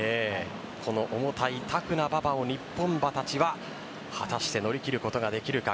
この重たいタフな馬場を日本馬たちは果たして乗り切ることができるか。